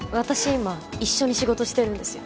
今一緒に仕事してるんですよ